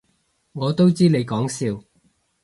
我都知你講笑